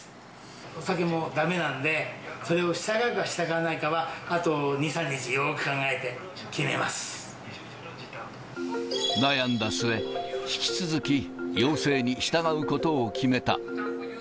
お酒もだめなんで、それに従うか従わないかは、あと２、３日よく悩んだ末、引き続き、要請に従うことを決めた。